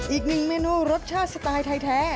อีกหนึ่งเมนูรสชาติสไตล์ไทยแท้